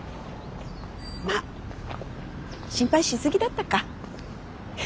まっ心配しすぎだったか。